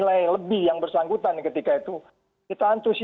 poldsuk kepentunan yang pasang pasang yangculo dahulu itu hebtan dulu